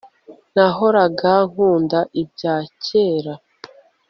nahoraga nkunda ibya kera